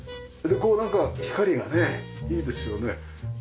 なんか光がねいいですよね。